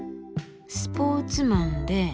「スポーツマンで」